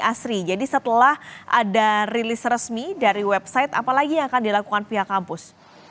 asri jadi setelah ada rilis resmi dari website apalagi yang akan dilakukan pihak kampus